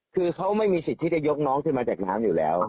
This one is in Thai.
คือเขาไม่มีสิทธิ์ที่จะยกน้องขึ้นมาจากน้ำอยู่แล้ว